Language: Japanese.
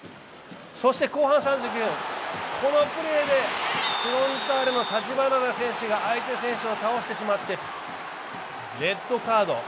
そして後半３９分、このプレーでフロンターレの橘田選手が相手選手を倒してしまってレッドカード。